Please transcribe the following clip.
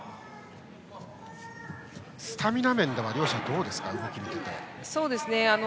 スタミナ面では両者、どうですか動きを見てて。